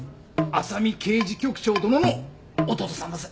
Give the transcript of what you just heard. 浅見刑事局長殿の弟さんだす。